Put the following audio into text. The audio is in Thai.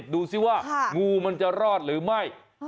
ดูสิว่างูมันจะรอดหรือไม่